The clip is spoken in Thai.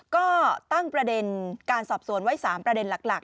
ก็ตั้งประเด็นการสอบสวนไว้๓ประเด็นหลัก